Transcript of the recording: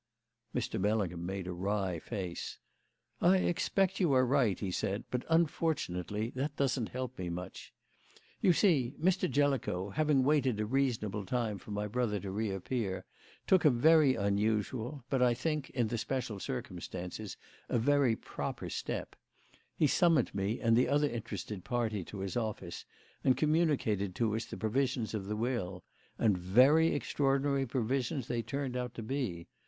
Mr. Bellingham made a wry face. "I expect you are right," he said, "but, unfortunately, that doesn't help me much. You see, Mr. Jellicoe, having waited a reasonable time for my brother to reappear, took a very unusual but, I think, in the special circumstances, a very proper step: he summoned me and the other interested party to his office and communicated to us the provisions of the will. And very extraordinary provisions they turned out to be.